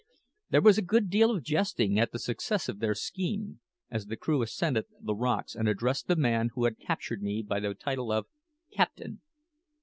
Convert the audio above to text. There was a good deal of jesting at the success of their scheme, as the crew ascended the rocks and addressed the man who had captured me by the title of "Captain".